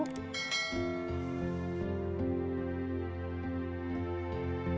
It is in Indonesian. mereka wafat setahun yang lalu